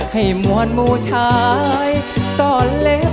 ให้มวลมูชายสอนเล็บ